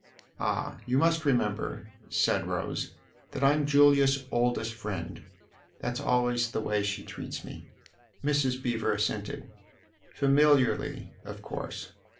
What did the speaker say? "Ah, you must remember," said Rose, "that I'm Julia's oldest friend. That's always the way she treats me." Mrs. Beever assented. " Familiarly, of course.